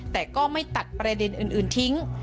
แต่ก็ไม่ตัดประเด็นอื่นทิ้ง